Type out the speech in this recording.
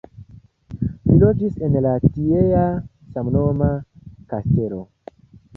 Li loĝis en la tiea samnoma kastelo.